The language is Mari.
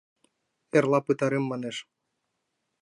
— Эрла пытарем, манеш.